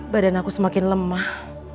badan aku semakin lemah